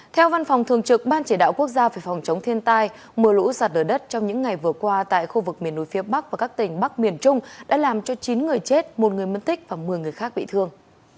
theo văn phòng thường trực ban chỉ đạo quốc gia về phòng chống thiên tai mưa lũ sạt lở đất trong những ngày vừa qua tại khu vực miền núi phía bắc và các tỉnh bắc miền trung đã làm cho chín người chết một người mất tích và một mươi người khác bị thương